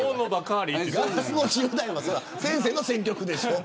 先生の選曲でしょ。